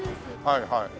はいはい。